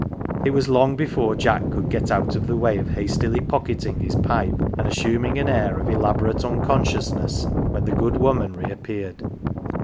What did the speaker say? It was long before Jack could get out of the way of hastily pocketing his pipe and assuming an air of elaborate unconsciousness when the good woman reappeared.